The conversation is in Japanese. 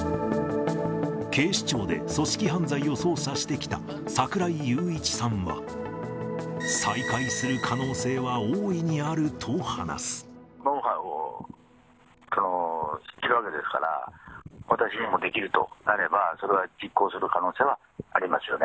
警視庁で組織犯罪を捜査してきた櫻井裕一さんは、再開する可能性ノウハウを知っているわけですから、私にもできるとなれば、それは実行する可能性はありますよね。